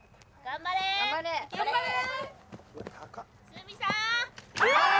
頑張れー！